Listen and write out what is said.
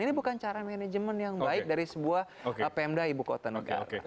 ini bukan cara manajemen yang baik dari sebuah pemda ibu kota negara